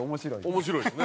面白いですね。